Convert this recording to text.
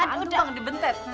aduh bang dibentet